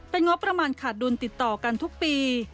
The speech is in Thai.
งบประมาณขาดดุลติดต่อกันทุกปี